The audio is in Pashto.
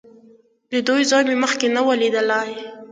د دوی ځای مې مخکې نه و لیدلی.